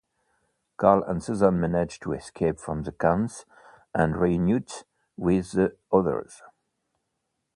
Carl and Susan manage to escape from the cans and reunite with the others.